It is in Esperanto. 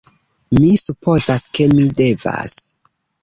Mi supozas ke mi devas.